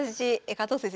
加藤先生